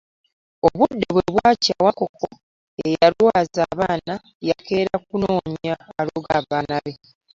Obudde bwe bwakya Wankoko eyalwaza abaana yakeera kunoonya aloga abaana be.